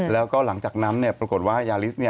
แล้วก็หลังจากนั้นปรากฏว่ายาลิส